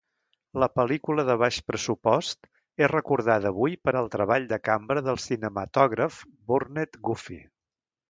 La pel·lícula de baix pressupost és recordada avui per al treball de cambra del cinematògraf Burnett Guffey.